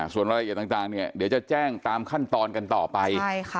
ส่วนรายละเอียดต่างเนี่ยเดี๋ยวจะแจ้งตามขั้นตอนกันต่อไป